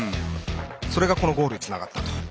それがゴールにつながったと。